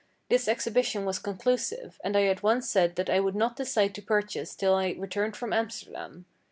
This exhibition was conclusive, and I at once said that I would not decide to purchase till I returned from Amsterdam.